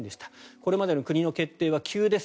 これまでの国の決定は急です